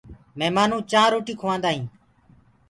مِهمآنو چآنه روٽيٚ کُوآندآ هينٚ